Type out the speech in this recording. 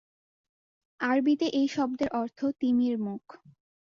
আরবিতে এই শব্দের অর্থ "তিমির মুখ"।